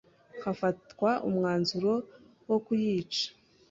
hafatwa umwanzuro wo kuyica.